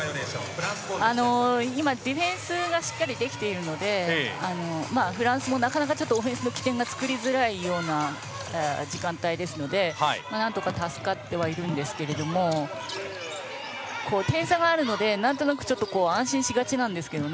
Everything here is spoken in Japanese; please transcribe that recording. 今、ディフェンスがしっかりできているのでフランスもなかなかオフェンスの起点が作りづらいような時間帯ですので何とか助かってはいるんですが点差があるので何となく安心しがちなんですけどね。